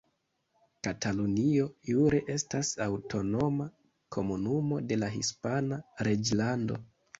Katalunio jure estas aŭtonoma komunumo de la Hispana reĝlando.